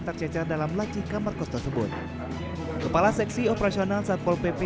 tercecer dalam lacih kamar kos tersebut kepala seksi operasional satpol pp